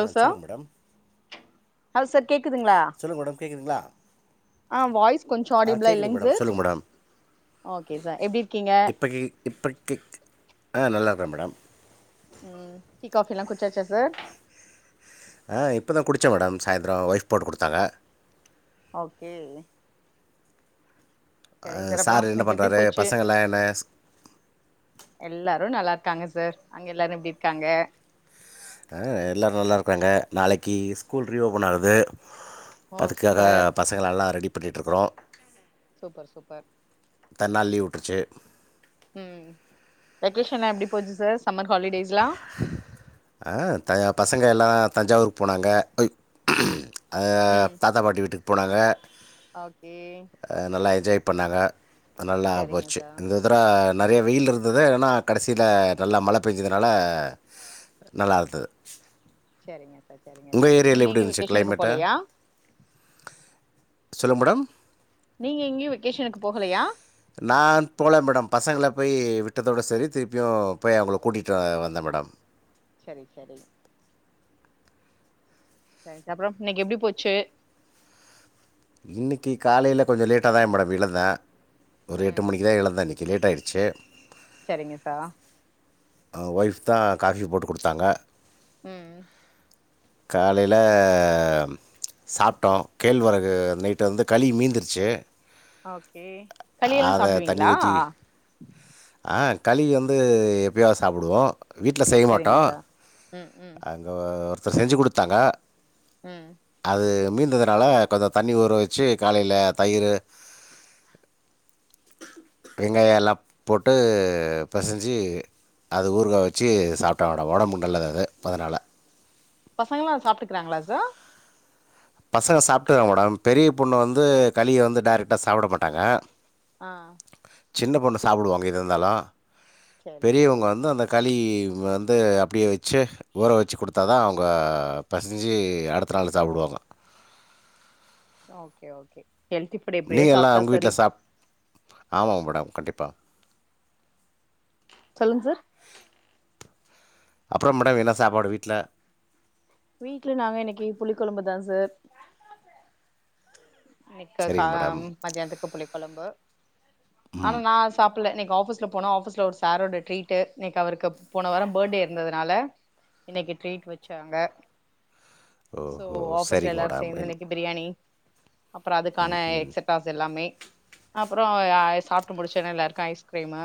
ஆ சொல்லுங்க மேடம் ஹவ் செட் சொல்லுங்க மேடம் கேக்குதுங்ளா அ வாய்ஸ் கொஞ்சோ ஆ ஆடிபிளா கேக்குது இல்லைங் மேடம் சார் சொல்லுங்க மேடம் ஓகே சார் எப்டி இருக்கீங்க இப்ப கேக் இப்ப கேக்கு ஆ நல்லா இருக்றே மேடம் ம் டீ காஃபிலாகுடிச்சாச்சா சார் ஆ இப்போதா குடிச்சே மேடம் சாய்ந்தர ஒய்ஃப் போட்டு குடுத்தாங்க ஓகே சரிங் சார் அப்றோ என்ன இன்னைக்கு எப்டி பண்ணுறாரு போச்சு பசங்கள்லாம் என்ன எல்லாரு நல்லார்க்காங்க சார் அங்க எல்லாரு எப்டி இருக்காங்க அ எல்லாரு நல்லாருக்காங்க நாளைக்கி ஸ்கூல் ரீஓபன் ஆகுது ஓ இப்ப அதுக்காக சூப்பர் பசங்கள எல்லாம் ரெடி பண்ணிட்டுருக்குறோ சூப்பர் சூப்பர் இத்தன் நாள் லீவு உட்ருச்சு வெகேஷன்னா எப்டி போச்சு சார் சம்மர் ஹாலிடேஸ்லா ஆ த பசங்க எல்லா தஞ்சாவூருக்கு போனாங்க அ ம் தாத்தா பாட்டி வீட்டுக்கு போனாங்க ஓகே அ நல்லா சரிங்க போச்சு சார் இந்த தர நெறைய வெயில்ல இருந்தத ஆனா கடைசில நல்லா மழ பேஞ்சு இதனால நல்லாருந்தது செரிங்க சார் செரிங்க சார் நீங்க எங்கயு இருந்துச்சு வெக்கேஷனுக்கு கிளைமேட்டு போலயா சொல்லுங் மேடம் நீங்க எங்கயு வெக்கேஷனுக்கு போகலயா நான் போல மேடம் பசங்கள போய் விட்டதோட சரி திருப்பியு போய் அவுங்கள கூட்டிட்டு வந்தே மேடம் சரி சரி சரி சார் அப்ற இன்னைக்கு எப்டி போச்சு இன்னைக்கு காலைல கொஞ்ச லேட்டாதா த மேடம் எழந்தே ஒரு எட்டு ம் மணிக்குதா எழந்தே இன்னி இன்னைக்கு லேட் ஆயிடுச்சு சரிங்க சா ஆ ஒய்ப்தா காஃபி போட்டு குடுத்தாங்க ம் காலைல சாப்ட்டோ கேழ்வரகு நைட்டு வந்து களி மீந்துருச்சு ஓகே களியெல்லா அத தண்ணி சாப்டுவீங்களா ஊத்தி ஆ களி வந்து எப்பயாது சாப்பிடுவோ வீட்ல செய்ய மாட்டோ சரிங்க சார் ம் ம் அங்கே ஒருத் இப்ப செஞ்சு குடுத்தாங்க ம் அது மீந்து இதுனால கொஞ்ச தண்ணி ஊற வச்சு காலைல தயிரு வெங்காயோ எல்லா போட்டு பெசைஞ்சு அது ஊறுகா வச்சு சாப்பிட்டா அட உடம்புக்கு நல்லது அது அதனால பசங்லா அத சாப்ட்டுக்றாங்களா சார் பசங்க சாப்பிட்டுதாங்க மேடம் பெரிய பொண்ணு வந்து கலிய வந்து டேரைக்டா சாப்பிட மாட்டாங்க ஆஹா சின்ன பொண்ணு சாப்பிடுவாங்க எதா இருந்தாலு சரி சரி பெரியவங்க வந்து அந்த கல் இ வந்து அப்டியே வச்சு ஊற வச்சு குடுத்தா தா அவுங்க பெசஞ்சு அடுத்த நாள் என்ன சாப்டுவாங்க ஹெல்து எப்டி இருக்கு நீங்கள் எல்லாம் சாப்ட்டா உங்கள் செரி வீட்டில் சாப் ஆமாங்க மேடம் கண்டிப்பா சொல்லுங் சார் அப்புறம் மேடம் என்ன சாப்பாடு வீட்ல வீட்ல நாங்க இன்னைக்கு புளி கொழம்புதா சார் இன்னுக்கு கா சரிங்க மேடம் அம் மத்தியானத்துக்கு புளி கொழம்பு ஆனா நா சாப்பிடல நீங் ஆஃபீஸ்ல போனா ஆஃபீஸ்ல ஒரு சாரோட ட்ரீட்டு இன்னைக்கு அவருக்கு போன வாரோ பேட்டே இருந்ததுனால இன்னைக்கு ட்ரீட் வச்சாங்க சோ ஓஹோ ஆஃபீஸ்ல சரிங்க எல்லாரு மேடம் சேர்ந்து என் இன்னைக்கு பிரியாணி அப்பறோ அதுக்கான எக்சட்ராஸ் எல்லாமே உ ஆ சாப்ட்டு முடிச்சுன்னே எல்லாருக்கு ஐஸ்கிரீமு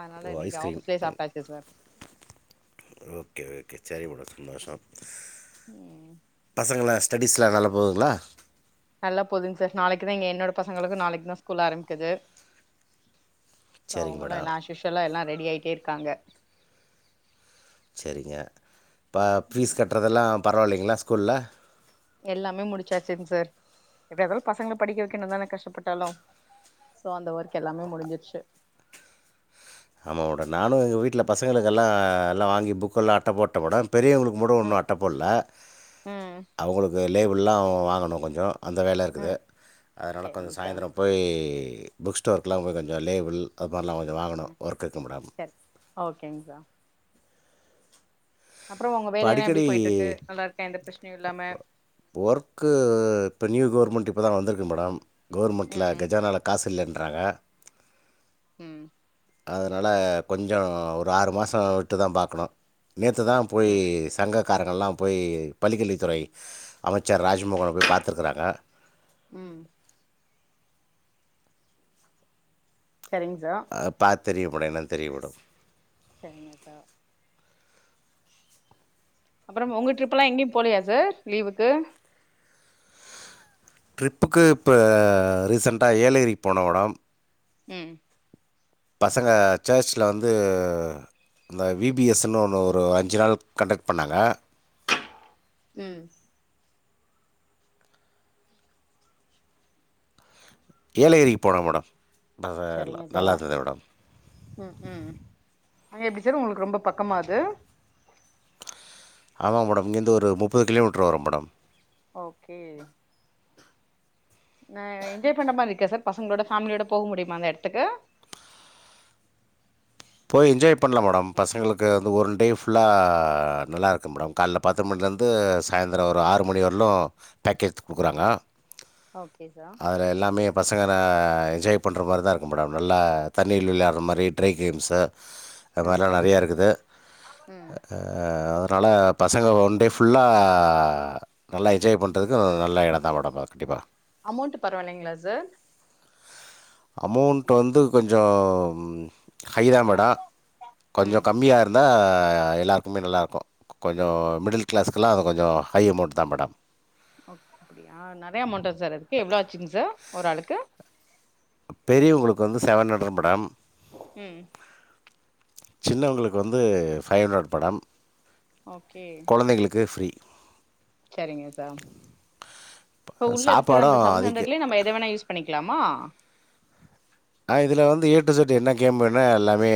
அதனால ஓ இன்னைக்கு ஐஸ்கிரீம் ஆஃபீஸ்லயே சாப்ட்டாச்சு சார் ஓகே ஓகே செரி மேடம் [unintelligible] ம் பசங்கள ஸ்டெடிஸ்லா நல்லா போதுங்ளா நல்லா போதுங்க சார் நாளைக்குதா இங்க என்னோட பசங்களுக்கு நாளைக்கு தா ஸ்கூல் ஆரம்பிக்குது சோ சரிங்க அவங்களா மேடம் எல்லா ஆஷ்யூஷ்ல்லா எல்லா ரெடி ஆயிட்டே இருகாங்க செரிங்க இப்ப ஃபீஸ் ம் கட்டுறதெல்லா பரவாயில்லைங்களா ஸ்கூல்ல எல்லாமே முடிச்சாச்சிங் சார் எப்டியாந்தாலு பசங்கள படிக்க வைக்கனுந்தான கஷ்டப்பட்டாலு சோ அந்த ஒர்க் எல்லாமே முடுஞ்சிருச்சு [inaudible] ஆமாம் மேடம் நானும் எங்க வீட்ல பசங்களுக்கெல்லா எல்லா வாங்கி புக்கெல்லா அட்ட போட்டன் மேடம் பெரியவனுக்கு மட்டு இன்னு ம் அட்டப்போட்ல ம் அவங்களுக்கு லேபிள்லா வாங்கணு கொஞ்சொ அந்த வேல இருக்குது ம் அதனா கொஞ்சொ சரிங்க சார் சாயந்தரோ போயி புக் ஸ்டோர்குலா கொஞ்சொ லேபுள் அது மாரிலா கொஞ்சொ வாங்கணு செர் ஓகேங்க சார் அப்புறோ உங்க இப்போ வேலையெல்லா எப்டி அடிக்கடி போயிட்டு இருக்கு நல்லா இருக்கா எந்த பிரச்சனையு இல்லாம ஒர்க்கு இப்ப நியூ கவர்மெண்ட் இப்பதா வந்திருக்கு மேடம் கவுர்மெண்ட்ல ம் கஜானால காசு இல்லன்றாங்க ம் அதுனால கொஞ்சொ ஒரு ஆறு மாசோ விட்டு தா பாக்கணு நேத்து தா போய் ம் சங்கக்காரங்கல்லா போய் பள்ளிகல்வித்துறை அமைச்சர் ராஜ்மோகன போய் பாத்துருகுறாங்க ம் செரிங்க சார் பார்த்து தெரியப்படும் என்னன்னு தெரியப்படு செரிங்க சார் அப்பறம் உங்க ட்ரிப்புலா எங்கேயு போலியா சார் லீவுக்கு ட்ரிப்புக்கு இப்ப ஆ ரீசென்ட்டா ஏலகிரிக்கு போனோம் மேடம் ம் பசங்க சர்ச்சில வந்து இந்த வி பி எஸ் ன்னு ஒன்னு ஒரு அஞ்சு நாள் கண்டெக்ட் பண்ணாங்க. ம் ஏலகிரிக்கு போனோ மேடம் பசங்க எல்லா சரிங்க சா நல்லா இருந்துது மேடம். ம் ம் அங்க எப்ப டி சார் உங்களுக்கு ரொம்ப பக்கமா அது? ஆமா மேடம் இங்கேர்ந்து ஒரு முப்பது கிலோமீட்டர் வரு மேடம். ஓகே ந என்ஜாய் பண்ற மாரி இருக்கா சார் பசங்ளோட ஃபேமிலியோட போக முடியுமா அந்த எடத்துக்கு போய் என்ஜாய் பண்லா மேடம் பசங்களுக்கு வந்து ஒன் டே ஃபுல்லா ஆ நல்லா இருக்கு மேடம் கால்ல பத்து மணி வந்து சாய்ந்தெர ஒரு ஆறு மணி வரலு பேக்கேத் குடுக்குறாங்க ம் ஓகே சா அதுல எல்லாமே பசங்ற என்ஜாய் பண்ற மாரிதா இருக்கும் மேடம் நல்லா தண்ணில விளையாடற மாரி ட்ரை கேம்ஸ் அ அது ம் மாரில்லா ம் நெறைய இருக்குது ம் ஆ அதனால பசங்க ஒன்டே ஃபுல்லா நல்லா என்ஜாய் பண்ணுறதுக்கு நல்ல எடம்தா மேடம் கண்டிப்பா அமௌண்ட்டு பரவாலிங்ளா சார் அமௌண்ட் வந்து கொஞ்ச ம் ஹைதாமேட கொஞ்ச ம் கம்மியா இருந்தா அ எல்லாருக்குமே நல்லாருக்கு கொஞ்ச மிடில் களாஸ்க்லா அது கொஞ்ச ஹை அமௌண்ட் தா மேடம் அப் அப்டியா நெறையா அமௌண்டாங் சார் அதுக்கு எவ்ளோ ஆச்சுங் சார் ஒரு ஆளுக்கு பெரியவங்களுக்கு வந்து செவன் ஹண்ட்ரட் மேடம் ம் சின்னவங்களுக்கு வந்து ஃபைவ் ஹண்ட்ரட் மேடம் கொழந்தைங்களுக்கு ஃப்ரீ செரிங்க சார் இப்போ உள்ள இருக்குற அந்த சாப்பாடும் செவன் அதுக்கு ஹண்ட்ரட்ல நம்ம எத வேணா யூஸ் பண்ணி க்லாமா ஆ இதுல வந்து ஏ டு இஜட்டு என்ன கேம் வேணா எல்லாமே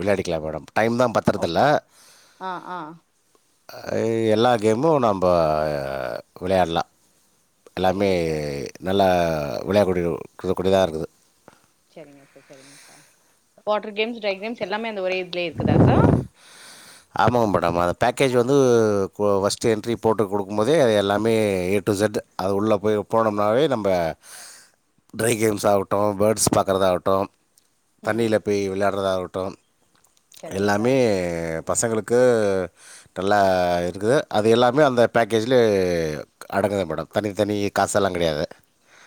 விளையாடிக்கலாம் மேடம் டைம்தா ஓ பத்தரதில்ல ஆ ஆ ஆ எல்லா கேமு நம்ம விளையாட்லா எல்லாமே சரிங்க சார் நல்லா விளையாக்கூடியக்கூடியதா இருக்குது சரிங்க சார் சரிங்க சார் வாட்ரு கேம்ஸ் ட்ரைகேம்ஸ் எல்லாமே அங் ஒரே எடத்லே இருக்குதா சார் ஆமோ மேடம் அ பேக்கேஜ் வந்து பஸ்ட் என்டரி போட்டு கொடுக்கும் போதே எல்லாமே ஏட்டு செட்டு அது உள்ள போய் போனோம்னாவே நம்ப ட்ரை கேம்ஸ் ஆவுட்டு பேர்ட்ஸ் பாக்குறதா ஆகட்டு ம் தண்ணில போய் விளையாட்றதா ஆவுட்டு சரிங்க எல்லாமே சார் பசங்களுக்கு நல்லா இருக்குது அது எல்லாமே அந்த பேக்கேஜிலே அடப் இருக்குது மேடம் தனித்தனி காசெல்லா கெடையாது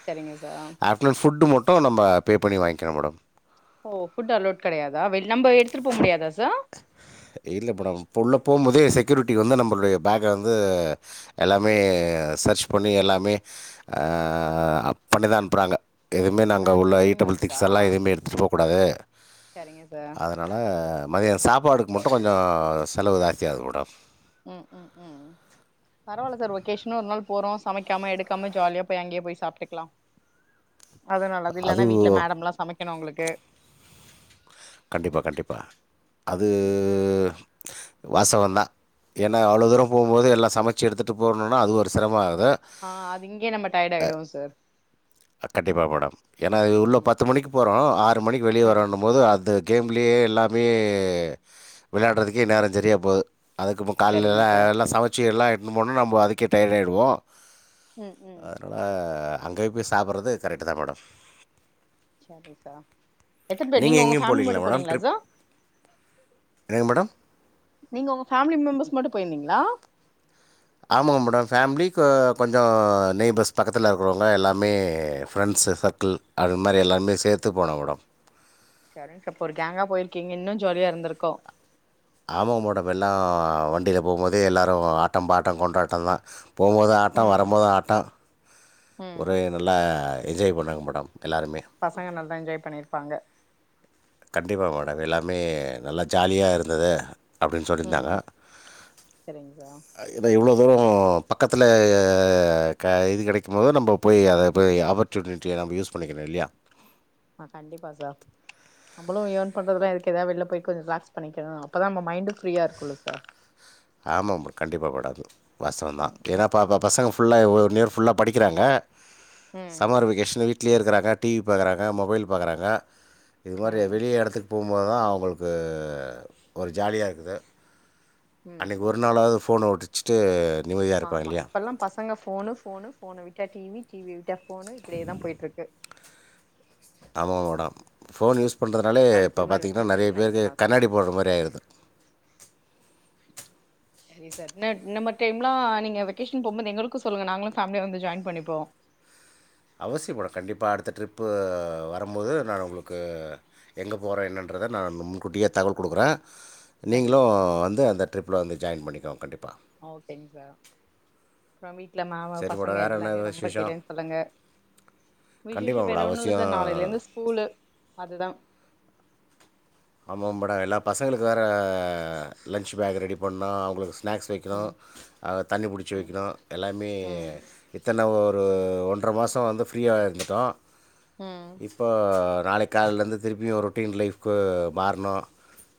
சரிங்க சார் ஆஃப்டர்நூன் ஃபுட்டு மட்டு நம்ப பே பண்ணி வாங்கனும் மேடம் ஓ ஃபுட் அலோட் கெடையாதா வெள் நம்ம எடுத்துட்டு போ முடியாதா சார் இல்ல இப்ப நம் உள்ள போம் போதே செக்யூரிட்டி வந்து நம்மளுடைய பேக வந்து எல்லாமே சர்ச் பண்ணி எல்லாமே அ ஆ அப் பண்ணிதா அனுப்புறாங்க எதுமே நாங்க பேக் உள்ள செக்கிங்கு ஈட்டபிள் இருக்குதா திங்ஸ் எல்லா எதுமே எடுத்துட்டு போக்கூடாது சரிங்க சார் அதனால மதிய சாப்பாடுக்கு மட்டு கொஞ்ச செலவு தாஸ்யாவுது மேடம் ம் ம் ம் பரவால சார் ஒகேஷன்னு ஒரு நாள் போறோ சமைக்காம எடுக்காம ஜாலியா போய் அங்கயே போய் சாப்ட்டுக்லா டுக் அது நல்லது இல்லன்னா வீட்ல மேடம்ளா சமைக்கணு உங்ளுக்கு கண்டிப்பா கண்டிப்பா அது ம் வாசவந்த ஏன்னா அவ்வளோ தூரொ போம்போது எல்லா சமச்சு எடுத்துட்டு போணுனா அது ஒரு சிரமா ஆஹ் அது இங்கயே நம்ம டயடாய்டுவோ சார் அ கண்டிப்பா மேடம் ஏனா உள்ள ம் பத்து மணிக்கு போறோ ஆறு மணிக்கு ம் வெளியேவரோனு போது அத் அந்த கேம்லே எல்லாமே விளையாடுறதுக்கே நேரஞா சரியா போகுது அதுக்கு முன் கல்ல சரிங்க சார் எல்லா சமச்சு எல்லா எட்னு போனா நம்ம அதுக்கே டயடாருவோ ம் ம் அஹ் அங்கேய போய் சாப்புட்றது கரக்டு தா மேடம் சரி சா எத்தன பேர் நீங்க உங்க எங்கேயும் ஃபேமிலி போலீங்களா மட்டு மேடம் போனீங்களா ட்ரிப்? சா என்னங்க மேடம்? நீங்க உங்க ஃபேமிலி மெம்பர்ஸ் மட்டு போய்ர்ந்தீங்ளா ஆமாங்க மேடம் ஃபேமிலி க கொஞ்சோ நெய்பர்ஸ் பக்கத்துல இருக்குறவங்க எல்லாமே ஃப்ரெண்ட்ஸ் ச சர்க்கிள் அது மாரி எல்லார்மே சேத்து போனோ மெடொ சரிங்கப்பொரு கேங்கா போயிருக்கீங்க இன்னு ஜோலியா இருந்திருக்கு ஆமங்மொடம் எல்லா வண்டில போம்போதே எல்லாரு ஆட்டோ பாட்டோ கொண்டாட்டொந்தா போம்மோது ஆட்டோ ம் வரம்மோது ஆட்டோ ம் ஒரே நல்லா என்ஜாய் பண்னாங்க மேடம் எல்லோருமே பசங்க நல்லா என்ஜாய் பண்ணிருப்பாங்க கண்டிப்பா மேடம் எல்லாமே நல்லா ஜாலியா இருந்துது அப்டின் சொல்லிந்தாங்க ம் சரிங்க சார் அ எனா இவ்ளோ தூரோ பக்கத்துல க இது கடைக்கு மோது நம்ப போய் அத போய் ஆப்பர்ச்சுனிட்டிய நம்ம யூஸ் பண்ணிகணு இலியா ஆஹ் கண்டிப்பா சா நம்மளு யேர்ன் பண்றதுனா எனக்க்கெதா வெள்ல போய் கொஞ்சொ லாக்ஸ் பண்ணிக்க அப்பதா நம்ம மைண்டு ஃப்ரீயா இருக்குல்ல சார் ஆமாம்மா கண்டிப்பா மெடோ வாச்தவொந்தா ஏனா ப பசங்க ஃபுல்லா ஒவ் [unintelligible] ஃபுல்லா படிக்கிறாங்க ம் சம்மர் வெகேஷன் வீட் வீட்லயே இருக்கறாங்க டிவி பாக்குறாங்க மொபைல் பாக்கறாங்க இது மாரி ம் வெளியேடத்துக்கு போமோது தா அவுங்களுக்கு ஒரு ஜாலியா இருக்குது ம் அன்னைக்கு ஒரு நாளாவது ஃபோன ஒடச்சிட்டு ஆமா இப்பல்லா பசங்க ஃபோனு ஃபோனு ஃபோனு விட்டா டிவி டிவி விட்டா ஃபோணு இப்டியே தா போய்ட்டுருக்கு ஆமா மேடம் ஃபோன் யூஸ் பண்ரதுனாலே அதுக்கு இப்ப இது மாரி பாத்தீங்கன்னா வெக்கேஷன் நறைய நைஸ் பேருக்கு தா சார் கண்ணாடி போடுற மாரி ஆயிருது செரி சார் ந இன்னமார் டைம்லா நீங்க வெகேஷன் போமோது எங்களுக்கு சொல்லுங்க நாங்களு ஃபேமிலியா வந்து ஜாயின் பண்ணிப்போ அவசிய மேடோ கண்டிப்பா அடுத்த ட்ரிப்பு வரம்மோது நா உங்களுக்கு எங்க போறே என்னன்ற றத நா முன்கூட்டியே தகவல் குடுக்குற நீங்களு சரிங்க சார் வந்து அந்த ட்ரிப்ல வந்து ஜாயின் பண்ணிகோங்க கண்டிப்பா ஓகேங்க சார் [unintelligible] ல மாமா சரி பசங்க மேடம் வேறு என்ன எல்லாறையு ரொம்ப விசேஷம் கேட்டேன்னு சொல்லுங்க விஷேஷோ கண்டிப்பாக வேற மேடம் ஒன்னு இல்ல சார் நாளைலிந்து அவசியம் ஸ்கூலு அதுதா ஆம மேடோ எல்லா பசங்களுக்கு வேற லன்ச்பேக் ரெடி பண்னு அவுங்களுக்கு ஸ்நேக்ஸ் வெக்கணு ம் அஹ் தண்ணி புடிச்சி ம் வெக்கணு எல்லாமே ம் இத்தன வொ ஒன்ற மாசோ வந்து ஃபிரீயா இருந்துட்டோ ம் இப்ப நாளைக் காலைலிந்து திருப்பியு ரொட்டீன் லைஃப்க்கு மாறணு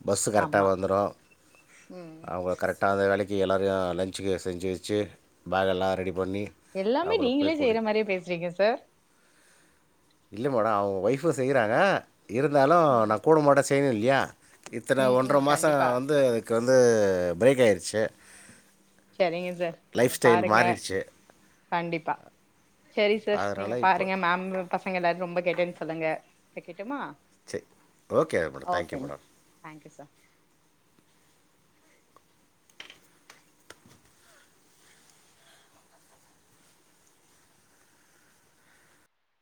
பஸ்ஸு கரக்டா ஆமா வந்துரு ம் அவுங்க கரக் அந்த வேலைக்கு எல்லாரயு லன்ச்சுக்கு செஞ்சு வெச்சு பேகெல்லா ரெடி பண்ணி எல்லாமே அவங்கள நீங்களே போய் செய்ற கூட்டிகிட்டு மாரியே பேஸ்றீங்க சார் இல்ல மேடொ அவ் ஒய்ஃபு செய்றாங்க இருந்தாலு ம் நா கூடமாட செய்யணுல்லியா இத்தன ம் ஒன்ற ம் மாசோ கண்டிப்பா வந்து அதுக்கு வந்து பிரேக் ஆயிர்ச்சு சரிங்க சார் நீங்க பாருங்க மாறிடுச்சு கண்டிப்பா செரி சர் நீங்க அதனால் இப்போ பாருங்க மேம் பசங்க எல்லாரு ரொம்ப கேட்டேனு சொல்லுங்க வெக்கட் டுமா சரி ஓகே மேடம் தேங்க்யூ ஓகேங் மேடம் சார் தான்க்யூ சர்